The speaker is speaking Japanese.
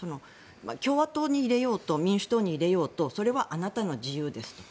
共和党に入れようと民主党に入れようとそれはあなたの自由ですと。